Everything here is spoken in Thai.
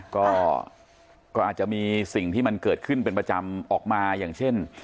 ก็อาจจะมีสิ่งที่มันเกิดขึ้นเป็นประจำออกมาอย่างเช่น